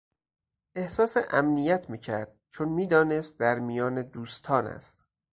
احساس امنیت میکرد چون میدانست در میان دوستان است.